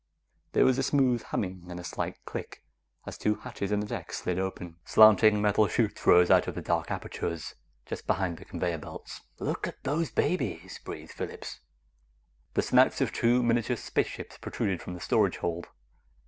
There was a smooth humming and a slight click as two hatches in the deck slid open. Slanting metal chutes rose out of the dark apertures, just behind the conveyor belts. "Look at those babies!" breathed Phillips. The snouts of two miniature spaceships protruded from the storage hold.